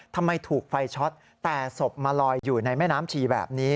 ทำไมถูกไฟช็อตแต่ศพมาลอยอยู่ในแม่น้ำชีแบบนี้